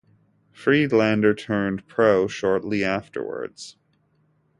Friedlander turned pro shortly afterwards.